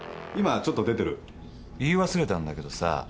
言い忘れたんだけどさ